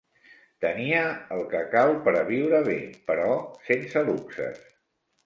Tenia el que cal per a viure bé, però sense luxes.